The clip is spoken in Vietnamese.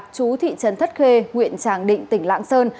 chú thị trấn thất khê nguyễn tràng định tỉnh lãng sơn